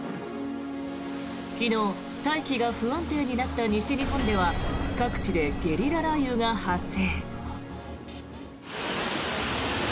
昨日、大気が不安定になった西日本では各地でゲリラ雷雨が発生。